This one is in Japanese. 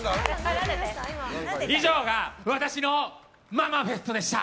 以上が私のママフェストでした。